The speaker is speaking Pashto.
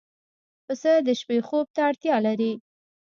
پسه د شپې خوب ته اړتیا لري.